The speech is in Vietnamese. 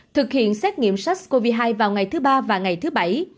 thực hiện xét nghiệm sars cov hai vào ngày thứ ba và ngày thứ bảy